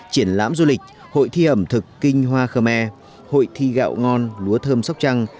triển lãm du lịch hội thi ẩm thực kinh hoa khơ me hội thi gạo ngon lúa thơm sóc trăng